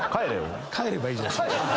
帰ればいいじゃん。